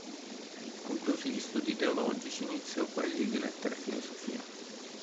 Conclusi gli studi teologici iniziò quelli di lettere e filosofia.